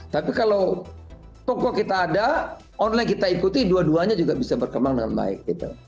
tapi kalau toko kita ada online kita ikuti dua duanya juga bisa berkembang dengan baik